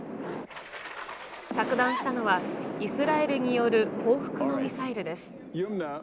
着弾したのは、イスラエルによる報復のミサイルです。